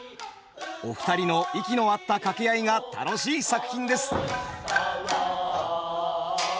お二人の息の合った掛け合いが楽しい作品です。